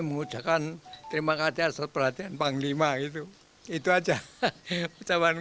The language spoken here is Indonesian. memudahkan terima kasih atas perhatian panglima itu itu aja hehehe pecahkan